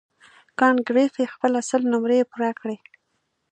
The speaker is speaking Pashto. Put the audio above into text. کانت ګریفي خپله سل نمرې پوره کړې.